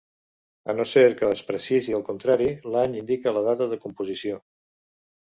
A no ser que es precisi el contrari, l'any indica la data de composició.